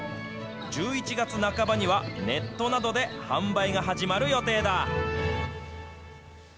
１１月半ばには、ネットなどで販売が始まる予定だ。